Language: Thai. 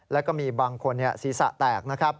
แล้วก็มีบางคนศีรษะแตก